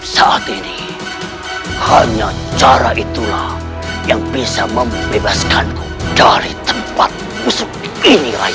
saat ini hanya cara itulah yang bisa membebaskanku dari tempat musuh ini rai